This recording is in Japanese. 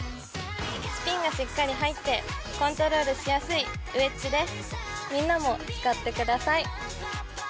スピンがしっかり入って、コントロールしやすいウェッジです。